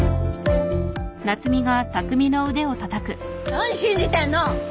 何信じてんの！